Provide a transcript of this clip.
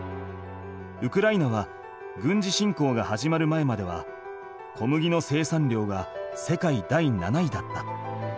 ウクライナは軍事侵攻が始まる前までは小麦の生産量が世界第７位だった。